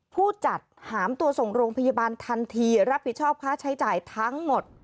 ผู้จัดหามตัวส่งโรงพยาบาลทันทีรับผิดชอบค่าใช้จ่ายทั้งหมด